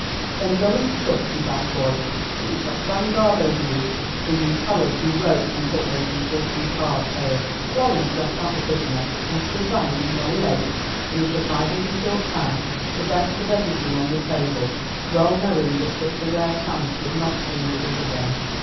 "Then go and stuff, you bad boy, but we shall stand guard over you till you tell us who wrote and put those insulting cards here." Florence let out the prisoner, and stood by him while he ate, in a surprisingly short time, the best of everything on the table, well knowing that such a rare chance would not soon be his again.